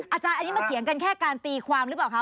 อาจารย์อันนี้มาเถียงกันแค่การตีความหรือเปล่าคะ